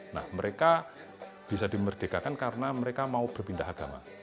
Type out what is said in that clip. nah mereka bisa dimerdekakan karena mereka mau berpindah agama